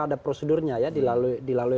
ada prosedurnya ya dilalui